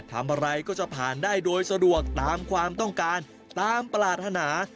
ทำอะไรก็จะผ่านได้โดยสะดวกตามความต้องการตามปรารถนา